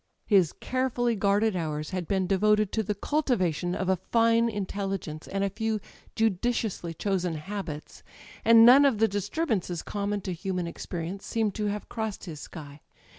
His carefully guarded hours had been devoted to the cultivation of a fine intelligence and a few judiciously chosen habits; and none of the disturbances common to human experience seemed to have crossed his sky.